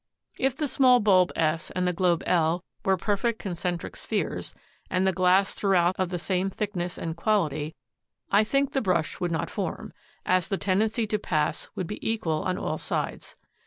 If the small bulb s and the globe L were perfect concentric spheres, and the glass thruout of the same thickness and quality, I think the brush would not form, as the tendency to pass would be equal on all sides.